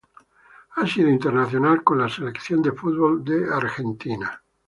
Ha sido internacional con la selección de fútbol de Argentina.